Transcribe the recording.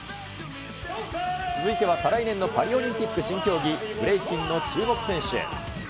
続いては再来年のパリオリンピック新競技、ブレイキンの注目選手。